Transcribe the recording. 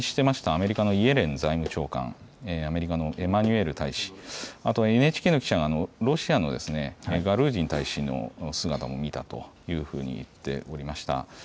アメリカのイエレン財務長官、エマニュエル大使、あとＮＨＫの記者がロシアのガルージン大使の姿も見たというふうに言っておりました。